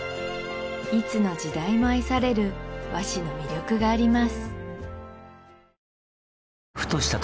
いつの時代も愛される和紙の魅力があります